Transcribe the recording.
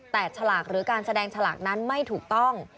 แต่ฉลากหรือการแสดงฉลากนั้นไม่ถูกต้อง